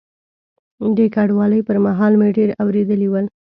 د کډوالۍ پر مهال مې ډېر اورېدلي ول.